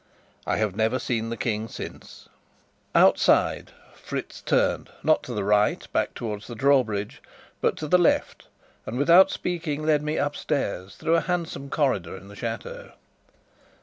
I have never seen the King since. Outside, Fritz turned, not to the right, back towards the drawbridge, but to the left, and without speaking led me upstairs, through a handsome corridor in the chateau.